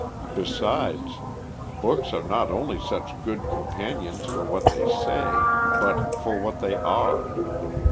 Besides, books are not only such good companions for what they say, but for what they are.